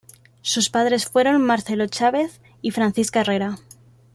Sus padres fueron Marcelo Chávez y Francisca Herrera.